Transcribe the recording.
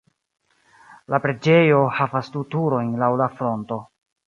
La preĝejo havas du turojn laŭ la fronto.